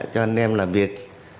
cho anh em làm việc